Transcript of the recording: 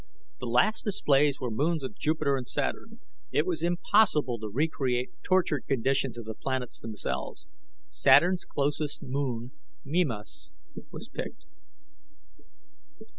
The last displays were moons of Jupiter and Saturn; it was impossible to recreate tortured conditions of the planets themselves. Saturn's closest moon, Mimas, was picked.